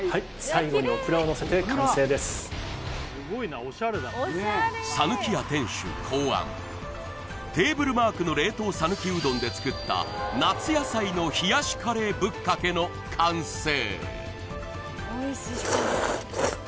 最後にオクラをのせて完成ですさぬきや店主考案テーブルマークの冷凍さぬきうどんで作った夏野菜の冷やしカレーぶっかけの完成